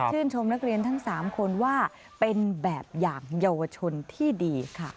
ชมนักเรียนทั้ง๓คนว่าเป็นแบบอย่างเยาวชนที่ดีค่ะ